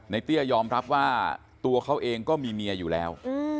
เตี้ยยอมรับว่าตัวเขาเองก็มีเมียอยู่แล้ว